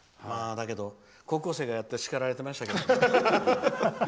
だけど、高校生がやって叱られてましたけどね。